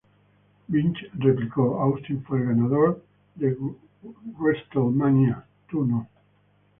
Vince replicó ""Austin fue el ganador de WrestleMania... tú no"".